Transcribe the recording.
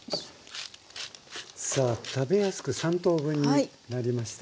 さあ食べやすく３等分になりました。